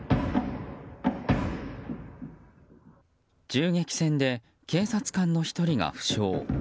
銃撃戦で警察官の１人が負傷。